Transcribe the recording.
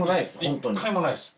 １回もないです